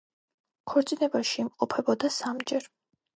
ქორწინებაში იმყოფებოდა სამჯერ.